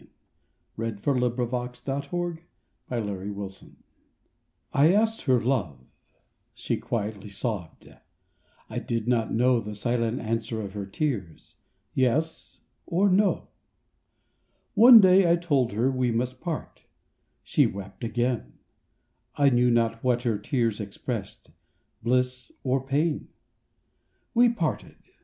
[ 34 ] SONGS AND DREAMS A Woman's Tears I asked her love; she quietly sobbed; I did not know The silent answer of her tears— Yes, or no! One day I told her we must part— She wept again; I knew not what her tears expressed— Bliss or pain. We parted.